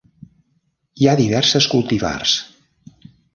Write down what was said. Hi ha diverses cultivars.